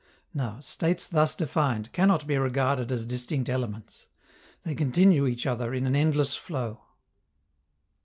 Now, states thus defined cannot be regarded as distinct elements. They continue each other in an endless flow.